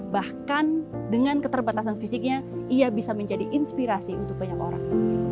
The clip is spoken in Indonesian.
bahkan dengan keterbatasan fisiknya ia bisa menjadi inspirasi untuk banyak orang